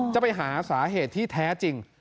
จะไปหาสาเหตุที่แท้จริง